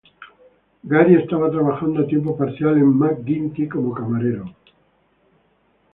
Gary está trabajando a tiempo parcial en McGinty como camarero.